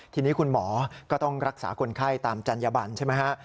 ทีนี้คุณหมอก็ต้องรักษาคนไข้ตามจัญญบันใช่ไหมฮะ